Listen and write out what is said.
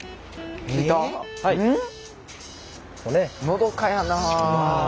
のどかやなあ。